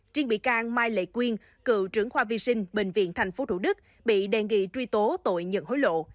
triên bị can mai lệ quyên cựu trưởng khoa vi sinh bệnh viện tp thủ đức bị đề nghị truy tố tội nhận hối lộ